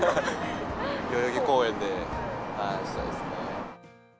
代々木公園でしたいですね。